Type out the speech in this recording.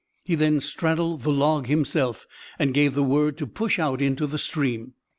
He then straddled the log himself, and gave the word to push out into the stream.